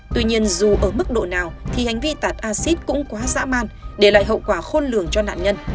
tuy nhiên dù ở mức độ nào thì hành vi tạt acid cũng quá dã man để lại hậu quả khôn lường cho nạn nhân